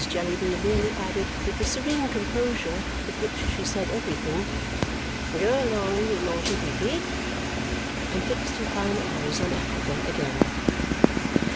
Jellyby merely added, with the serene composure with which she said everything, "Go along, you naughty Peepy!" and fixed her fine eyes on Africa again.